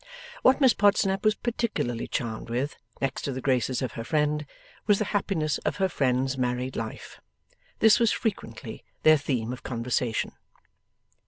What Miss Podsnap was particularly charmed with, next to the graces of her friend, was the happiness of her friend's married life. This was frequently their theme of conversation.